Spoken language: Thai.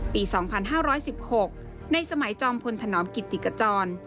ปี๒๕๑๖ในสมัยจอมพลธนอมกิติกจร